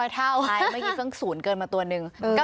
๕๐๐เท่าไม่คิดเพิ่งศูนย์เกินมาตัวนึง